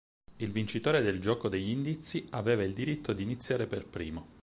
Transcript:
Il vincitore del "Gioco degli indizi" aveva il diritto di iniziare per primo.